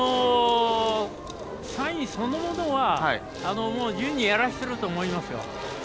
サインそのものはやらせていると思いますよ。